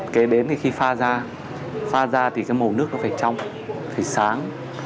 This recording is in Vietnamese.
kế đến thì khi pha ra pha ra thì cái màu nước nó phải trong thủy sáng